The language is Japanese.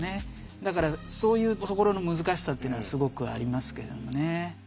だからそういうところの難しさっていうのはすごくありますけれどもね。